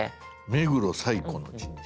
「目黒最古の神社」。